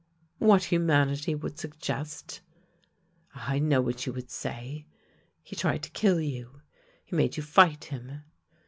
" What humanity would suggest. Ah, I know what you would say: he tried to kill you; he made you fight him.